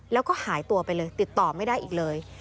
แล้วก็หายตัวไปเลยติดต่อไม่ได้อีกเลย